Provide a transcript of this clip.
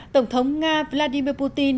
tổng thống nga vladimir putin